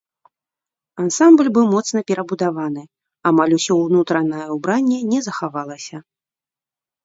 Ансамбль быў моцна перабудаваны, амаль усё ўнутранае ўбранне не захавалася.